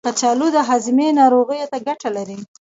کچالو د هاضمې ناروغیو ته ګټه لري.